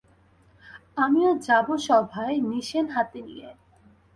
আমিও যাব সভায় নিশেন হাতে নিয়ে।